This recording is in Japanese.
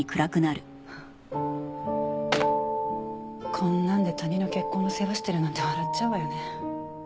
こんなんで他人の結婚の世話してるなんて笑っちゃうわよね。